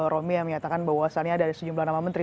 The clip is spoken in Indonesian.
romi yang menyatakan bahwasannya ada sejumlah nama menteri